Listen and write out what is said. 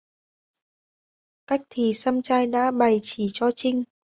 Cách thì some trai đã bày chỉ cho Trinh